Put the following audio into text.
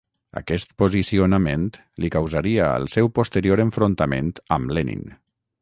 Aquest posicionament li causaria el seu posterior enfrontament amb Lenin.